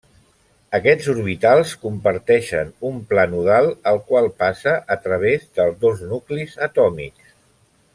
Aquests orbitals comparteixen un pla nodal el qual passa a través dels dos nuclis atòmics.